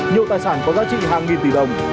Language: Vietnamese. nhiều tài sản có giá trị hàng nghìn tỷ đồng